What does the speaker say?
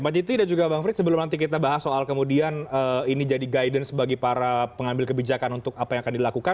mbak jiti dan juga bang frits sebelum nanti kita bahas soal kemudian ini jadi guidance bagi para pengambil kebijakan untuk apa yang akan dilakukan